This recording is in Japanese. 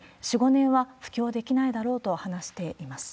４、５年は布教できないだろうと話しています。